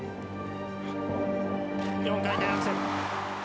４回転アクセル。